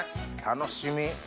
楽しみ。